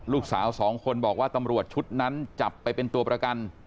ลูกสาวสองคนบอกว่าตำรวจชุดนั้นจับไปเป็นตัวประกัน